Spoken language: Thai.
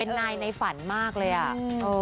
เป็นนายในฝันมากเลยอ่ะ